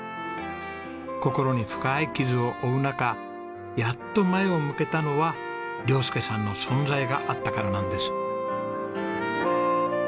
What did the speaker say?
心に深い傷を負う中やっと前を向けたのは亮佑さんの存在があったからなんです。